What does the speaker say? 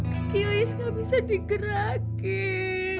kakak iis nggak bisa digerakin